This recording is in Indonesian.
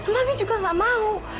mami juga gak mau